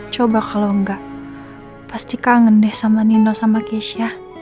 coba kalau enggak pasti kangen deh sama nino sama keisha